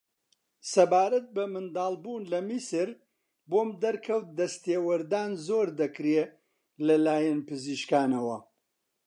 سەبارەت بە منداڵبوون لە میسر بۆم دەرکەوت دەستێوەردان زۆر دەکرێ لە لایەن پزیشکانەوە